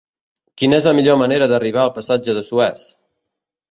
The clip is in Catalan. Quina és la millor manera d'arribar al passatge de Suez?